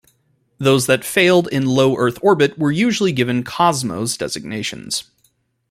Those that failed in low Earth orbit were usually given Cosmos designations.